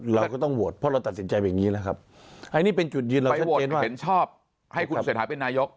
เราก็ต้องโหวตเพราะเราตัดสินใจเป็นอย่างนี้ละครับไปโหวตเห็นชอบให้คุณเศรษฐาเป็นนายก